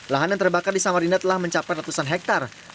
lahan yang terbakar di samarinda telah mencapai ratusan hektare